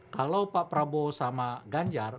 kalau pak prabowo sama ganjar